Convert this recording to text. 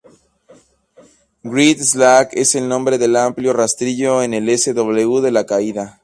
Great Slack es el nombre del amplio rastrillo en el sw de la caída.